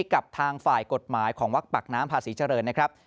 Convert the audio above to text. กับทางฝ่ายกฎหมายของวัดปากน้ำพาศรีเจริญนะครับ